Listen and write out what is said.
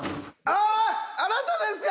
あっあなたですか！？